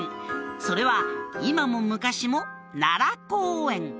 それは今も昔も奈良公園